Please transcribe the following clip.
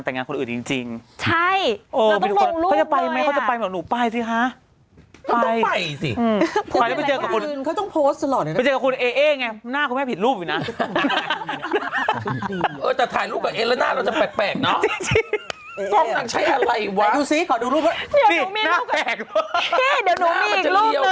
เห้ยเดี๋ยวหนูมีอีกรูปนึง